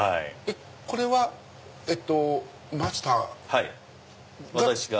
これはマスターが？